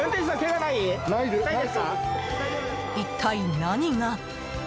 一体何が？